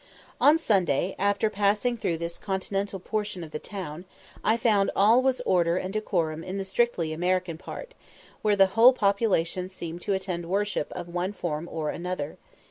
On Sunday, after passing through this continental portion of the town, I found all was order and decorum in the strictly American part, where the whole population seemed to attend worship of one form or another.